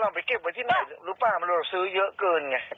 ไปเก็บไว้ที่ไหนหรือเปล่ามันเราซื้อเยอะเกินไง